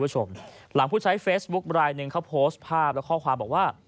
หลังผู้ใช้เฟซบุ๊คลายหนึ่งเขาโพสต์ภาพและข้อความบอกว่า